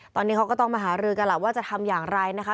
ตอนนี้เขาก็ต้องมาหารือกันล่ะว่าจะทำอย่างไรนะคะ